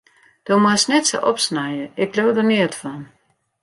Do moatst net sa opsnije, ik leau der neat fan.